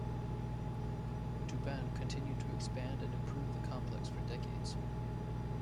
Duban continued to expand and improve the complex for decades.